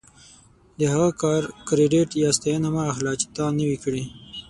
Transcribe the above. د هغه کار کریډیټ یا ستاینه مه اخله چې تا نه وي کړی.